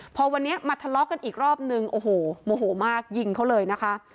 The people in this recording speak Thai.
พอวันนี้มาทะเลาะกันอีกรอบนึงโอ้โหโมโหมากยิงเขาเลยนะคะ